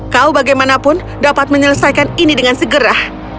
kau bagaimanapun dapat menyelesaikan ini dengan segera